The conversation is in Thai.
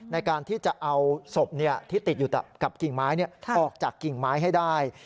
ในการที่จะเอาศพที่ติดอยู่กับกิ่งไม้ออกจากกิ่งไม้ให้ได้